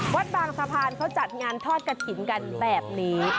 วัดบางสะพานเขาจัดงานทอดกระถิ่นกันแบบนี้